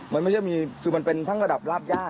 มันไม่ใช่มีคือมันเป็นทั้งระดับราบย่า